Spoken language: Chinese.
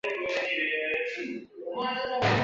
清朝雍正年间因人工围垦形成半岛。